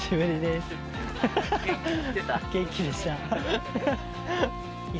元気でした。